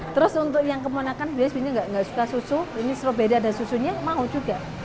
terus untuk yang keponakan biasanya nggak suka susu ini stroberi ada susunya mau juga